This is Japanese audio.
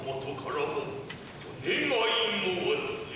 お願い申す。